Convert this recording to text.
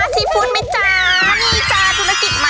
ซีฟุตด์มั้ยจ้า